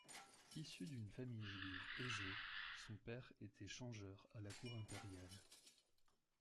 Issu d’une famille juive aisée, son père était changeur à la Cour impériale.